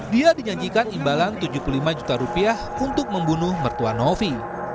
dia dinyanyikan imbalan tujuh puluh lima juta rupiah untuk membunuh mertua novi